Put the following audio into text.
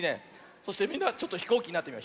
そしてみんなちょっとひこうきになってみよう。